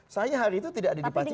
saya hari itu tidak ada di pacitan